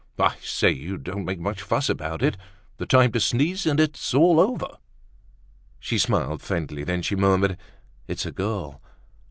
I say, you don't make much fuss about it—the time to sneeze and it's all over." She smiled faintly; then she murmured: "It's a girl."